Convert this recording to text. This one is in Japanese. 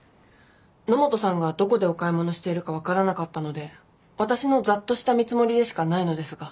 野本さんがどこでお買い物しているか分からなかったので私のざっとした見積もりでしかないのですが。